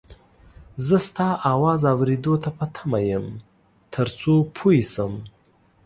زه ستا اواز اورېدو ته په تمه یم تر څو پوی شم